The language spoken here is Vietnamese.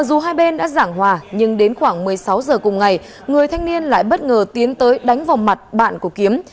dù hai bên đã giảng hòa nhưng đến khoảng một mươi sáu giờ cùng ngày người thanh niên lại bất ngờ tiến tới đánh vào mặt bạn của kiếm